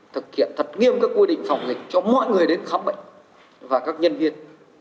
thực hiện thật nghiêm các quy định phòng dịch cho mọi người đến khám bệnh và các nhân viên